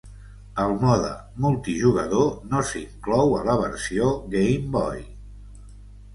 El mode multijugador no s'inclou a la versió Game Boy.